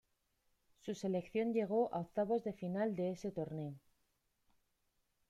Su selección llegó a octavos de final de ese torneo.